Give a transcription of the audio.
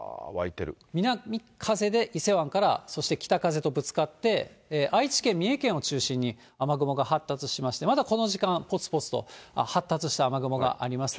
南風で伊勢湾から、そして北風とぶつかって、愛知県、三重県を中心に雨雲が発達しまして、まだこの時間、ぽつぽつと発達した雨雲がありますね。